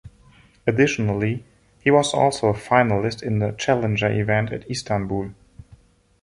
Additionally, he was also a finalist in a challenger event at Istanbul.